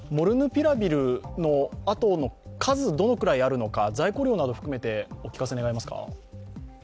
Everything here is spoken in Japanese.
モルヌピラビルの数、あとどのくらいあるのか在庫量など含めて、お聞かせ願えますか？